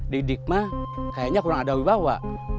di dikma kayaknya kurang ada ubawa